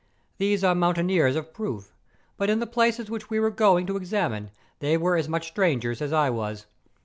These are mountaineers of proof; but in the places which we were going to examine, they were as much strangers as I was.